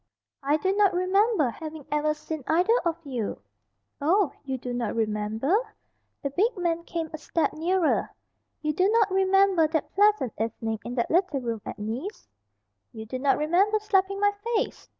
"I do not remember having ever seen either of you." "Oh, you do not remember?" The big man came a step nearer. "You do not remember that pleasant evening in that little room at Nice?" "You do not remember slapping my face?"